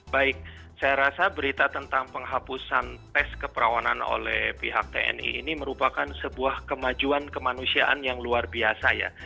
baik saya rasa berita tentang penghapusan tes keperawanan oleh pihak tni ini merupakan sebuah kemajuan kemanusiaan yang luar biasa ya